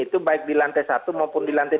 itu baik di lantai satu maupun di lantai tiga